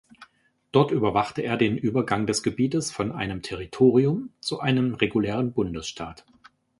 Dort überwachte er den Übergang des Gebietes von einem Territorium zu einem regulären Bundesstaat.